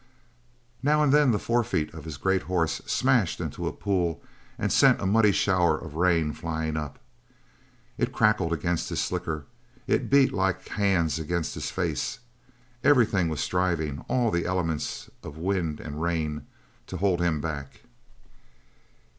Now and then the forefeet of his great horse smashed into a pool and sent a muddy shower of rain flying up. It crackled against his slicker; it beat like hands against his face. Everything was striving all the elements of wind and rain to hold him back.